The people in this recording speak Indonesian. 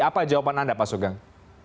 apa jawaban anda pak sugeng